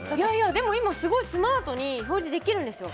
でも今、すごいスマートに表示できるんですよ。